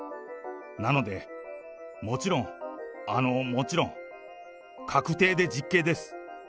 なので、もちろん、あの、もちろん、確定で実刑です。